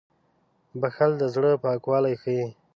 • بښل د زړه پاکوالی ښيي.